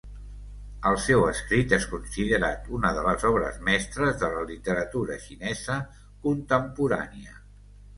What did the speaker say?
El seu escrit és considerat una de les obres mestres de la literatura xinesa contemporània.